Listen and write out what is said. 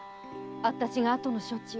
私があとの処置を。